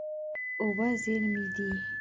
اوبه زېرمې دي.